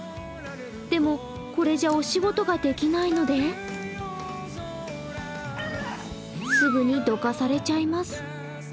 でもこれじゃお仕事ができないのですぐにどかされちゃいます。